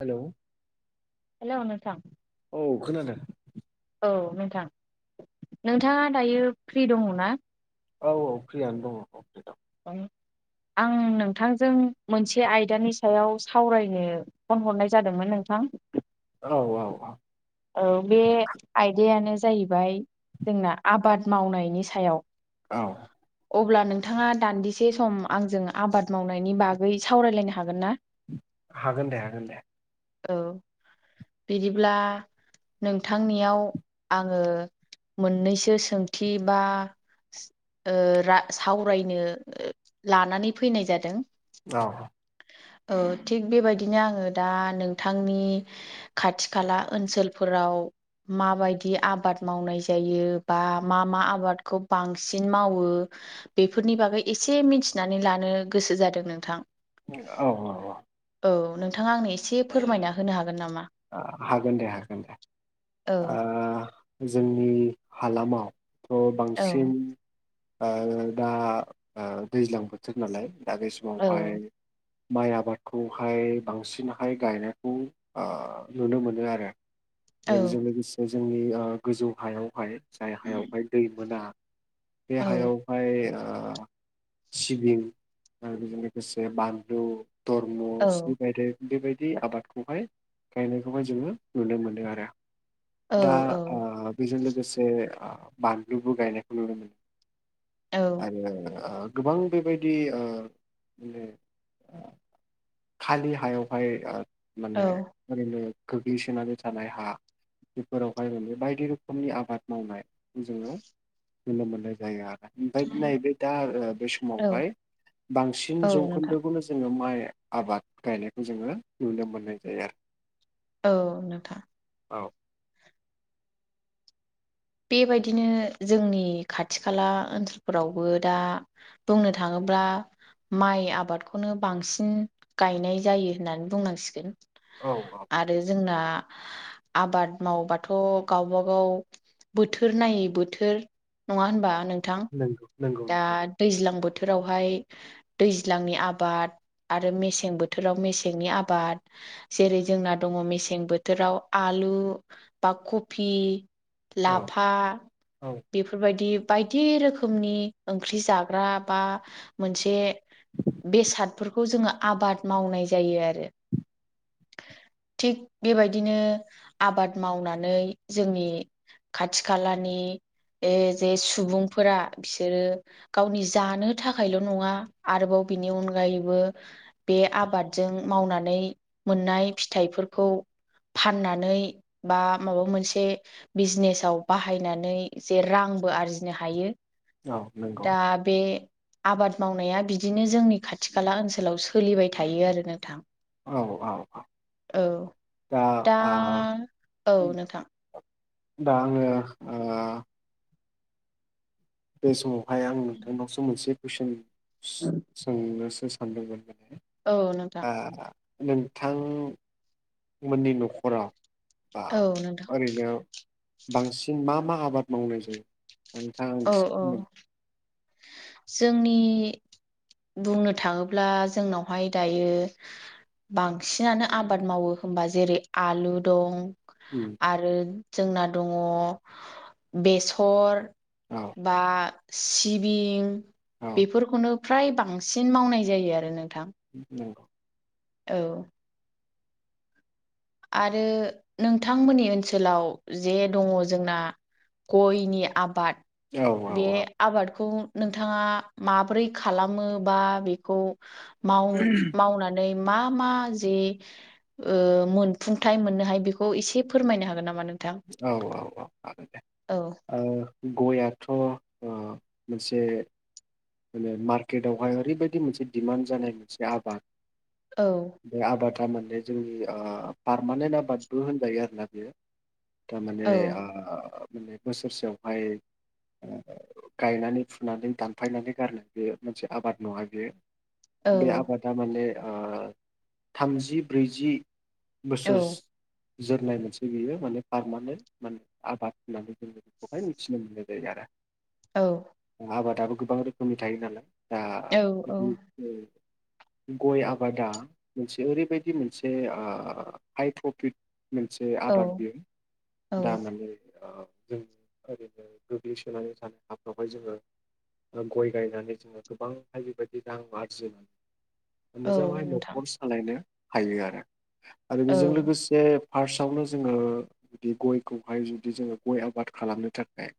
Hello hello नोंथां औ खोनादों औ नोंथां नोंथाङा दायो फ्रि दङ ना औ औ फ्रियानो दंङ अ आं नोंथांजों मोनसे आयदानि सायाव सावरायनो फन हरनाय जादोंमोन नोंथां औ औ औ औ बे आयदायानो जाहैबाय जोंना आबाद मावनायनि सायाव औ अब्ला नोंथांङा दान्दिसे सम आंजों आबाद मावनायनि बागै सावरायलायनो हागोन ना हागोन दे हागोन दे औ बिदिब्ला नोंथांनियाव आंङो मोननैसो सोंथि बा ओ रा‌-सावरायनो लानानै फैनाय जादों। औ औ थिग बेबायदिनो आंङो दा नोंथांनि खाथि खाला ओनसोलफोर राव माबायदि आबाद मावनाय जायो बा मा मा आबादखौ बांसिन मावो। बेफोरनि बागै एसे मिथिनानै लानो गोसो जादों नोंथां औ औ नोंथांङा आंनो एसे फोरमायना होनो हागोन नामा हागोन दे हागोन दे औ ओ जोंनि हालामावथ' औ बांसिन दा दैज्लां बोथोर नालाय दा बे औ समावहाय माइ आबादखौहाय बांसिनहाय गायनायखौ नुनो मोनो आरो औ आरो बेजों लोगोसे जोंनि गोजौ हायावहाय जाय हायावहाय दै मोना बे औ हायावहाय सिबिं आरो बेजों लोगोसे बानलु धर्म औ सि बायदि बेबायदि आबादखौहाय गायनायखौहाय जोङो नुनो मोनो आरो दा औ बेजों लोगोसे बानलुबो गायनायखौ नुनो मोनो औ आरो गोबां बेबायदि माने खालि हायावहाय माने ओरैनो गोग्लैसोनानै थानाय हा बेफोरावहाय माने बायदि रोखोमनि आबाद मावनाय जोङो नुनो मोननाय जायो आरो ओमफ्राय नैबे दा बे औ समावहाय बांसिन औ नोंथां जौखोन्दोखौनो जोङो माइ आबाद गायनायखौ जोङो नुनो मोननाय जायो आरो औ नोंथां औ बेबायदिनो जोंनि खाथि खाला ओनसोलफोरावबो दा बुंनो थाङोब्ला बा माइ आबादखौनो बांसिन गायनाय जायो होननानै बुंनांसिगोन औ औ औ आरो जोंना आबाद मावबाथ' गावबागाव बोथोर नायै बोथोर नङा होनबा नों [inaudible] दा दैज्लां दैज्लां बोथोरावहाय दैज्लांनि आबाद आरो मेसें बोथोराव मेसेंनि आबाद जेरै जोंना दङ मेसें बोथोराव आलु बा कफि औ लाफा औ बेफोरबायदि बायदि रोखोमनि ओंख्रि जाग्रा बा मोनसे बेसाद बेफोरखौ जोङो आबाद मावनाय जायो आरो थिग बेबायदिनो आबाद मावनानै जोंनि खाथि खालानि जे सुबुंफोरा बि बिसोरो गावनि जानो थाखायल' नङा आरोबाव बिनि अनगायैबो बे आबादजों मावनानै मोननाय फिथाइफोरखौ फाननानै बा माबा मोनसे बिजनेसाव बाहायनानै जे रां आंबो आरजिनो हायो। औ नंगौ दा बे आबाद मावनाया बिदिनो जोंनि खाथि खाला ओनसोलाव सोलिबाय थायो आरो नोंथां। औ औ औ। औ दा आ औ नोंथां दाङ आं ओ। बे समावहाय आं नोंथांनावसो मोनसे कुइसन सोंनोसो सानदोंमोन। माने औ नोंथां। आ नोंथांमोननि न'खराव बा औ नोंथां ओरैनो बांसिन मा मा आबाद मावनाय जायो? नोंथाङा आं औ एसे औ बुंदों। जोंनि बुंनो थाङोब्ला जोंनावहाय दायो। बांसिनानो आबाद मावो होनोमबा जेरै आलु दं। आरो जोंना दङ बेसर हो। औ बा सिबिं औ बेफोरखौनो। फ्राय बांसिन मावनाय जायो आरो नो नंगौ। औ आरो नोंथांमोननि ओनसोलाव जे दङ जोंना। गयनि आबाद औ औ बे औ आबादखौ नोंथाङा माब्रै खालामो बा बेखौ मावनानै मा मा जे ओ मोन फुंथायाइ मोननो हाय बेखौ एसे फोरमायनो हागोन नामा? नों औ औ औ हागोन दे। गयाथ' मोनसे माने मार्केटआवहाय ओरैबायदि मोनसे दिडमान्ड जानाय मोनसे आबाद। औ दे आबाद थारमाने जोंनि पारमानेन्ट आबादबो होनजायो आरोना बेयो। दा माने औ ओ माने बोसोरसेयावहाय गायनानै फुनानै दानफायनानै गारनाय बे मोनसे आबाद नङा बेयो औ बे आबादा माने थामजि ब्रैजि बोसोर। औ जोरनाय मोनसे बियो माने पारमानेन्ट माने आबाद होननानै जोङो बेखौहाय मिथिनो मोननाय जायो आरो औ आबादाबो गोबां रोखोमनि थायो नालाय दा। औ औ गय आबादा मोनसे ओरैबायदि मोनसे हाइ प्रफिट मोनसे आबाद औ बियो औ दा ओ जों ओरैनो गोग्लैसोनानै जानो हाफ्रावहाय जोङो। गय गायनानै जोङो गोबांहाय बेबायदि रां आरजि मोन। औ मोजाङै नोंथां न'खर सालायनो हायो आरो आरो बेजों औ लोगोसे फार्स्टआवनो जोङो बिदि गयखौहाय जुदि जोङो गय आबाद खालामनो थाखाय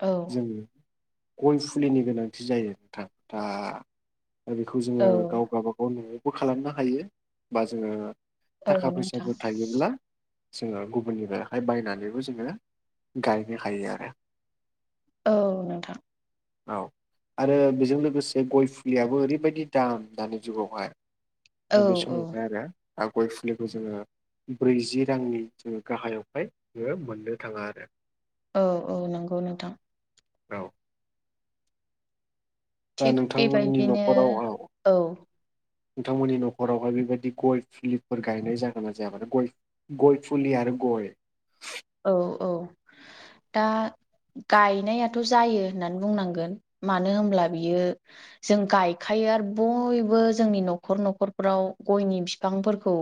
औ जों गय फुलिनि गोनांथि जायो नोंथां दा दा बेखौ जोङो औ गाव गावबागाव न'आवबो खालामनो हायो बा जोङो थाखा औ नोंथां फैसाबो थायोब्ला। जोङो गुबुननि बेहाय बायनानैबो जोङो गायनो हायो आरो औ नोंथां। औ आरो बेजों लोगोसे गय फुलियाबो ओरैबायदि दाम दानि जुगावहाय। औ नैबे औ समावहाय आरो आ गय फुलिखौ जोङो ब्रैजि रांनि जोङो गाहायावहाय [unintelligible] मोननो थाङा आरो। औ औ नोंगौ नोंथां। औ। दा थिग नोंथांमोननि बेबायदिनो न'खराव औ। नोंथांमोननि न'खरावहाय बेबायदि गय फुलिफोर गायनाय जागोन ना जाया मानो गय गय फुलि आरो गय औ औ दा गायनायाथ' जायो होननानै बुंनांगोन मानो होमब्ला बियो जों गायखायो आरो बयबो जोंनि न'खर न'खरफ्राव गयनि फिफांफोरखौ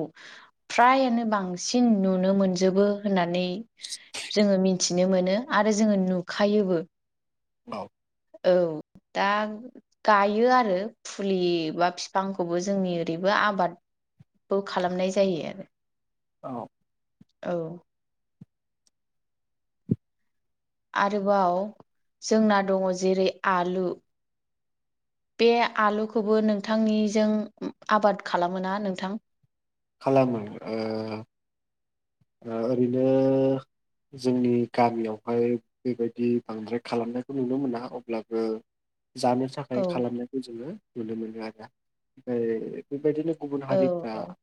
फ्रायानो बांसिन नुनो मोनजोबो होननानै जोङो मिथिनो मोनो आरो जोङो नुखायोबो। औ। औ। दा गायो आरो फुलि बा फिफांखौबो जोंनि ओरैबो आबाद बो खालामनाय जायो आरो। औ। औ। आरोबाव जोंना दङ' जेरै आलु बे आलुखौबो नोंथांनिजों आबाद खालामो ना नोंथां? खालामो ओ ओ ओरैनो जोंनि गामियावहाय बेबायदि बांद्राय खालामनायखौ नुनो मोना अब्लाबो जानो थाखाय औ खालामनायखौ जोङो नुनो मोनो आरोना ओमफ्राय बेबादिनो गुबुन औ हारिफ्रा औ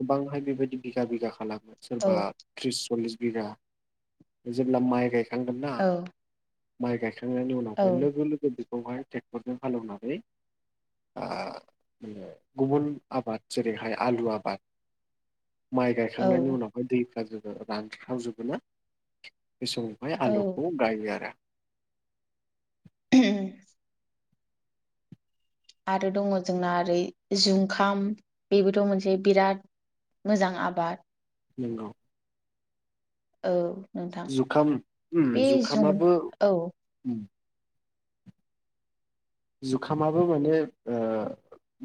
गोबांहाय बेबायदि बिघा बिघा खालामो औ सोरबा त्रिस सल्लिस बिघा जेब्ला माइ गायखांगोन्ना औ माइ गायख् खांनायनि उनावहाय औ लोगो लोगो बेखौहाय ट्रेक्टरजों हालेवनानै आ माने गुबुन आबाद जेरैहाय आलु आबाद माइ औ गायखांनायनि उनावहाय दै [unintelligible] रानस्रावजोबो ना बे समावहाय औ आलुखौ गायो आरो। आरो दङ' जोंना ओरै जुंखाम बेबोथ' मोनसे बिराद मोजां आबाद नोंगौ औ नोंथां जुखाम उम बे जुं जुखामाबो औ। उम जुखामाबो माने ओ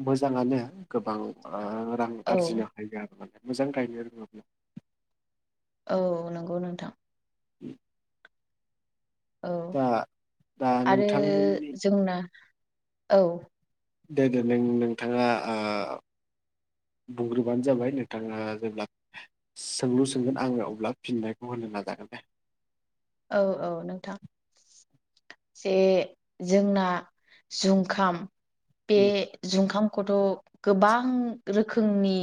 मोजाङानो गोबां ओ रां औ आरजिनो हायो आरो माने मोजां गायनो रोङोब्ला। औ नंगौ नोंथां। उ औ आरो नोंथांमोननि जोंना औ। दे दे नों नोंथाङा ओ बुंग्रोबानो जाबाय नोंथाङा जेब्ला सोंलु सोंगोन आङो अब्ला फिन्नायखौ होन् नो नाजागोन दे। औ औ नोंथां। जे जोंना जुंखाम बे उम। जुंखाम खौथ' गोबां रोखोमनि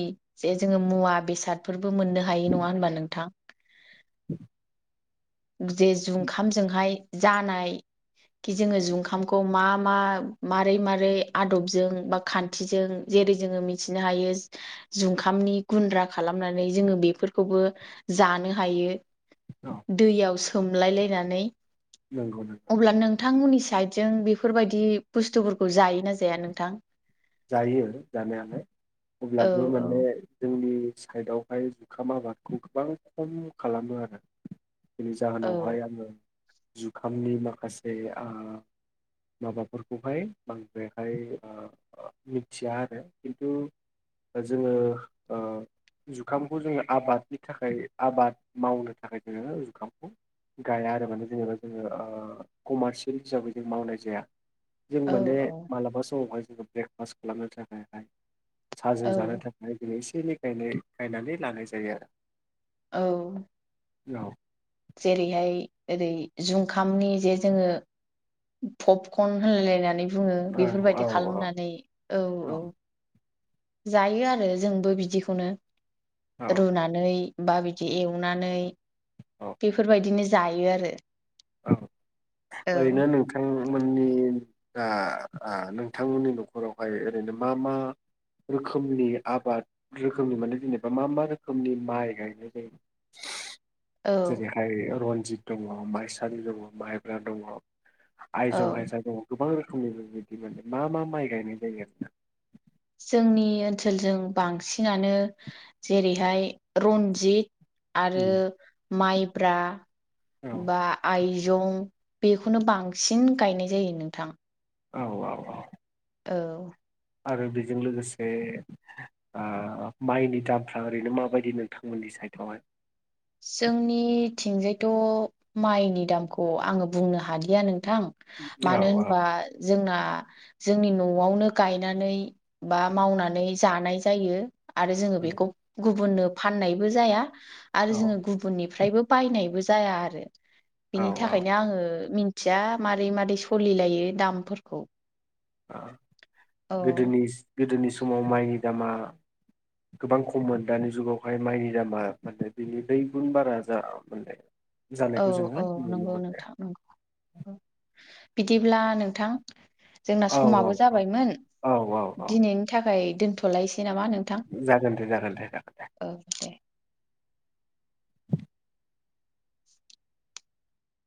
जे जोङो मुवा बेसादफोर बो मोननो हायो नङा होनबा नोंथां? जे जुखामजोंहाय जानाय खि जोङो जुखामखौ मा मा मारै मारै आदबजों बा खान्थिजों जेरै जोङो मिथिनो हायो जुंखामनि गुन्द्रा खालामनानै जोङो बेफोरखौबो जानो हायो [unintelligible] दैयाव सोमलायलायनानै नोंगौ अब्ला नोंथांमोननि साइदजों बेफोरबायदि बुस्थुफोरखौ जायोना जाया नोंथां? जायो जानायालाय औ अब्लाबो माने औ जोंनि साइदआवहाय जुखाम आबादखौ गोबां खम खालामो आरो बेनि औ जाहोनावहाय आङो जुखामनि माखासे माबाफोरखौहाय बांद्रायहाय मिथिया आरो खिन्थु जोङो जुखामखौ जोङो आबादनि थाखाय आबाद मावनो थाखाय जोङो जुखामखौ गाया आरो माने जेनेबा जोङो कमारसियेल हिसाबै जों मावनाय जाया। जों औ माने औ मालाबा समावहाय जोङो ब्रेकफास्ट खालामनो थाखायहाय साहाजों औ जानो थाखाय दिनै एसे एनैयनाय गायनानै लानाय जायो आरो। औ औ जेरैहाय ओरै जुंखामनि जे जोङो पपकर्न होनलायनानै बुङो औ बेफोरबायदि खालामनानै औ औ जायो आरो जोंबो बिदिखौनो औ रुनानै बा बिदि एवनानै औ बेफोरबायदिनो जायो आरो। औ औ ओरैनो नोंथांमोननि दा नोंथांमोननि न'खरावहाय ओरैनो मा मा रोखोमनि आबाद रोखोमनि माने जेनेबा मा मा रोखोमनि माइ गायनाय जायो? औ जेरैहाय रन्जित दङ माइसालि दङ माइब्रा दङ‌। आइजं औ हायजा दङ गोबां रोखोमनि बेबायदि मोनो मा मा माइ गायनाय जायो? जोंनि ओनसोलजों बांसिनानो जेरैहाय रनजित आरो उम माइब्रा औ बा आइ जं बेखौनो बांसिन गायनाय जायो नोंथां। औ औ औ औ आरो बेजों लोगोसे माइनि दामफ्रा ओरैनो माबायदि नोंथांमोननि सायथावहाय? जोंनिथिंजायथ' माइनि दामखौ आङो बुंनो हालिया नों थां औ मानो औ होनबा जोंना जोंनि न'आवनो गायनानै बा मावनानै जानाय जायो। आरो जोङो बेखौ गुबुननो फाननायबो जाया आरो औ जोङो गुबुननिफ्रायबो बायनायबो जाया आरो औ बिनि औ थाखायनो आङो मिन थिया मारै मारै सोलिलायो दामफोरखौ‌ गोदोनि गोदोनि समाव माइनि दामा गोबां खममोन दानि जुगावहाय माइनि दामा माने बिनि दै गुन बारा जा मोननाय। औ औ नंगौ नोंथां नंगौ औ बिदिब्ला नोंथां जोंना औ समाबो जाबायमोन औ औ औ दिनैनि थाखाय दोन्थ'लायसै नामा नोंथां जागोन दे जागोन दे औ दे।